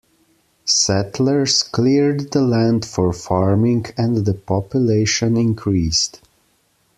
Settlers cleared the land for farming and the population increased.